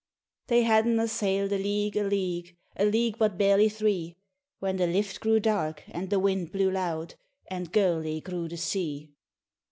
They hadna sail'd a league, a league, A league but barely three, When the lift grew dark, and the wind blew loud, And gurly grew the sea.